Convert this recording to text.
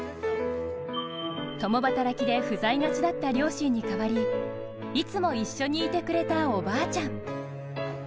共働きで不在がちだった両親に代わりいつも一緒にいてくれたおばあちゃん。